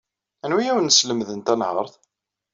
Anwa ay awen-yeslemden tanhaṛt?